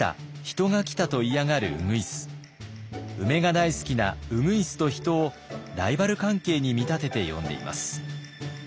梅が大好きな鶯と人をライバル関係に見立てて詠んでいます。